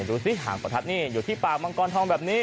ดูสิหางประทัดนี่อยู่ที่ปากมังกรทองแบบนี้